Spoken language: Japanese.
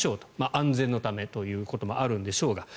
安全のためということもあるんでしょうが。